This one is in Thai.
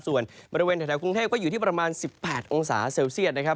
ส่วนบริเวณแถวกรุงเทพก็อยู่ที่ประมาณ๑๘องศาเซลเซียตนะครับ